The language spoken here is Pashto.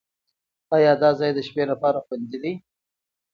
ایا دا ځای د شپې لپاره خوندي دی؟